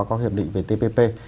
có hiệp định về tpp